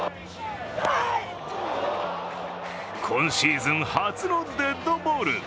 今シーズン初のデッドボール。